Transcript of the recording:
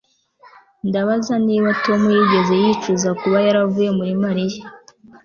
Ndabaza niba Tom yigeze yicuza kuba yaravuye muri Mariya